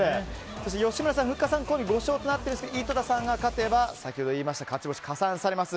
そして吉村さん、ふっかさんコンビが５勝となっていますが井戸田さんが勝てば勝ち星が加算されます。